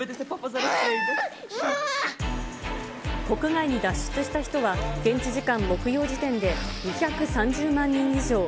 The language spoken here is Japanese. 国外に脱出した人は、現地時間木曜時点で２３０万人以上。